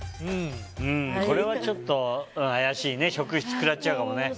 これはちょっと怪しいね職質くらっちゃうかもね。